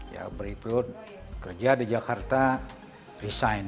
ya berikut kerja di jakarta resign